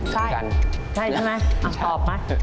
ใช่ใช่ไหมอ่ะตอบไหม